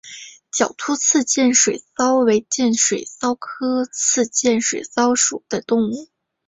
角突刺剑水蚤为剑水蚤科刺剑水蚤属的动物。